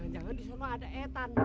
jangan disuruh ada etan